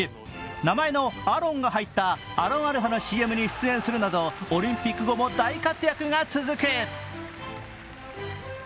名前のアロンが入ったアロンアルフアのＣＭに出演するなどオリンピック後も大活躍が続く。